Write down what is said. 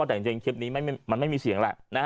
เพราะดังนี้คลิปนี้มันไม่มีเสียงล่ะ